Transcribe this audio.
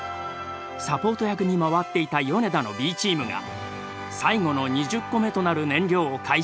サポート役に回っていた米田のＢチームが最後の２０個目となる燃料を回収。